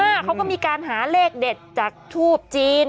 เขาก็มีการหาเลขเด็ดจากทูบจีน